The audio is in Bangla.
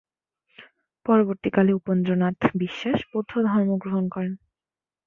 পরবর্তীকালে উপেন্দ্রনাথ বিশ্বাস বৌদ্ধ ধর্ম গ্রহণ করেন।